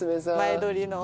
前撮りの。